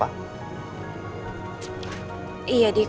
hari yang panjang